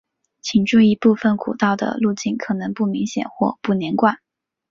请注意部份古道的路径可能不明显或不连贯。